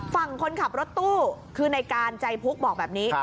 ฝั่งคนขับรถตู้คือในการใจพุกบอกแบบนี้